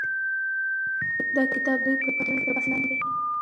دا کتاب د نړۍ په ډېرو پوهنتونونو کې تر بحث لاندې دی.